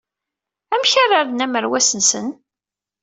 Amek ara rren amerwas-nsen?